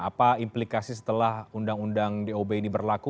apa implikasi setelah undang undang dob ini berlaku